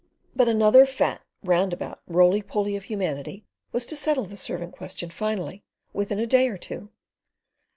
But another fat, roundabout, roly poly of humanity was to settle the servant question finally, within a day or two.